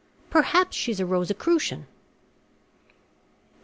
Perhaps she's a Rosicrucian!"